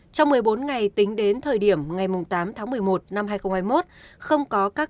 trong một mươi bốn ngày tính đến thời điểm ngày tám tháng một mươi một năm hai nghìn hai mươi một